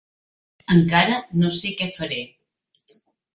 Encara no sé què faré.